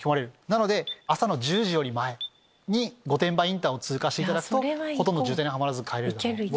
なので朝の１０時より前に御殿場インターを通過するとほとんど渋滞にはまらず帰れる。